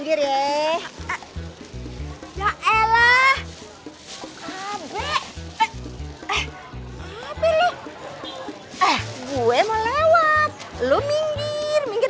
kayak kalau mengganggu kayak tolong sedikit